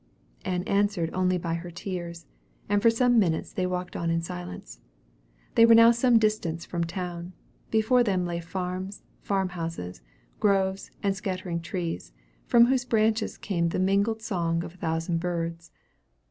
Ann answered only by her tears; and for some minutes they walked on in silence. They were now some distance from town. Before them lay farms, farm houses, groves and scattering trees, from whose branches came the mingled song of a thousand birds.